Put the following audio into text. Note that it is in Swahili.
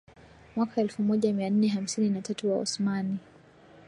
Mwaka elfumoja mianne hamsini na tatu Waosmani